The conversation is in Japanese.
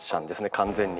完全に？